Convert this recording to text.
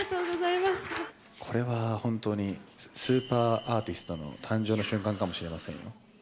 これは本当に、スーパーアーティストの誕生の瞬間かもしれませんよ。